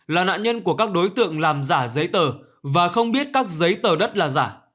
là nạn nhân của các đối tượng làm giả giấy tờ và không biết các giấy tờ đất là giả